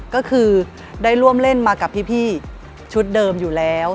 ก็คือได้ร่วมเล่นมากับพี่ชุดเดิมอยู่แล้ว